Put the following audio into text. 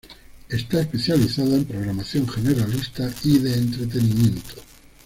Está especializada en programación generalista y de entretenimiento.